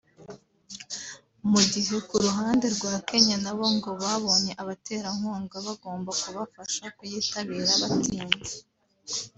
mu gihe ku ruhande rwa Kenya na bo ngo babonye abaterankunga bagomba kubafasha kuyitabira batinze